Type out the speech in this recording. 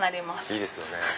いいですよね。